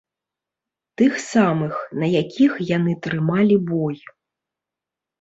Тых самых, на якіх яны трымалі бой.